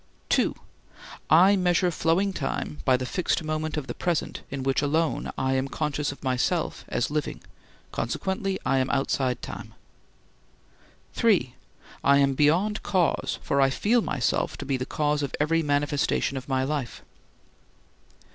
(2) I measure flowing time by the fixed moment of the present in which alone I am conscious of myself as living, consequently I am outside time. (3) I am beyond cause, for I feel myself to be the cause of every manifestation of my life.